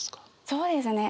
そうですね。